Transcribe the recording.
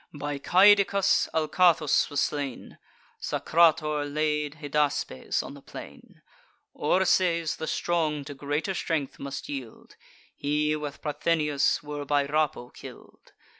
By Caedicus, Alcathous was slain; Sacrator laid Hydaspes on the plain; Orses the strong to greater strength must yield; He, with Parthenius, were by Rapo kill'd.